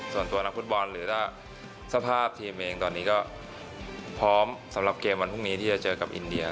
ส่วนตัวนักฟุตบอลหรือถ้าสภาพทีมเองตอนนี้ก็พร้อมสำหรับเกมวันพรุ่งนี้ที่จะเจอกับอินเดีย